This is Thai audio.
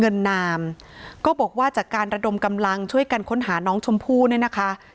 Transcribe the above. นามก็บอกว่าจากการระดมกำลังช่วยกันค้นหาน้องชมพู่เนี่ยนะคะ